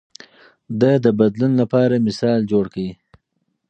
ده د بدلون لپاره مثال جوړ کړ.